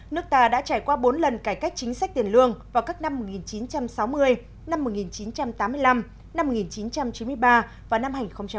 nước ta đã trải qua bốn lần cải cách chính sách tiền lương vào các năm một nghìn chín trăm sáu mươi một nghìn chín trăm tám mươi năm một nghìn chín trăm chín mươi ba và năm hai nghìn một mươi